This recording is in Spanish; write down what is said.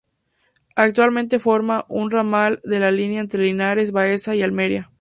Actualmente forma un ramal de la línea entre Linares-Baeza y Almería.